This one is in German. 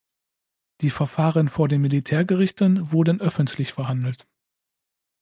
Die Verfahren vor den Militärgerichten wurden öffentlich verhandelt.